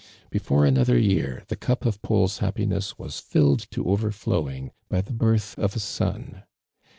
Before another year the cup of Paul's happiness was filled to overflowing by the birth of a son.